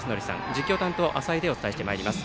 実況担当、浅井でお伝えします。